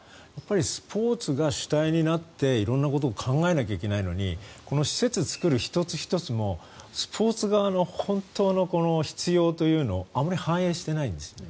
スポーツが主体になって色んなことを考えなきゃいけないのにこの施設を作る１つ１つもスポーツ側の本当の必要というのをあまり反映していないんです。